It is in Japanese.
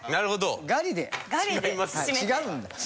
違うんだ。